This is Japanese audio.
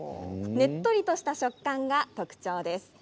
ねっとりとした食感が特徴です。